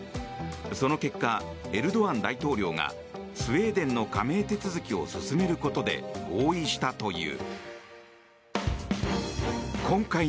その結果、エルドアン大統領がスウェーデンの加盟手続きを進めることで合意したという。